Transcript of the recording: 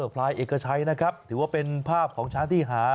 พลายเอกชัยนะครับถือว่าเป็นภาพของช้างที่หา